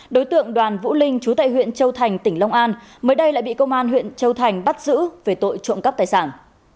đối tượng đoàn vũ linh chú tại huyện châu thành tỉnh long an mới đây lại bị công an huyện châu thành bắt giữ về tội trộm cắp tài sản